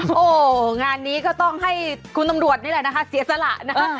โอ้โหงานนี้ก็ต้องให้คุณตำรวจนี่แหละนะคะเสียสละนะคะ